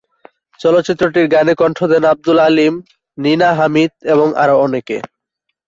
চলচ্চিত্রটির গানে কণ্ঠ দেন আবদুল আলীম, নীনা হামিদ এবং আরো অনেকে।